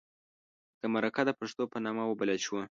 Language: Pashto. د مرکه د پښتو په نامه وبلله شوه.